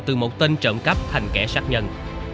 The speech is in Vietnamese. từ một tên trộm cắp thành kẻ sát nhân